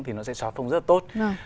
thì nó sẽ soát phông rất tốt